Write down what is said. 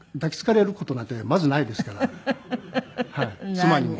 妻にも。